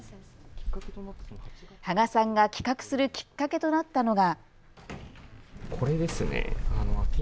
芳賀さんが企画するきっかけとなったのが。